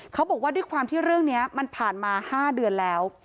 เขาบอกว่าด้วยความที่เรื่องนี้มันผ่านมา๕เดือนแล้ว